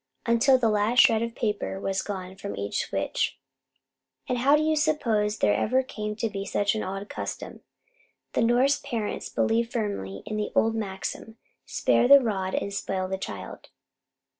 Until the last shred of paper was gone from each switch. And how do you suppose there ever came to be such an odd custom? The Norse parents believe firmly in the old maxim, "Spare the rod and spoil the child."